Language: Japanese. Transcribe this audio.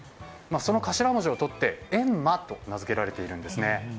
その頭文字をとって、ＥＭＭＡと名付けられているんです。